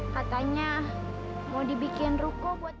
katanya mau dibikin ruko buat